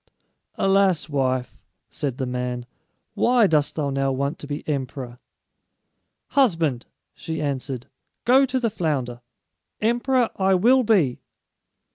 "Alas, wife," said the man, "why dost thou now want to be emperor?" "Husband," she answered, "go to the flounder. Emperor I will be."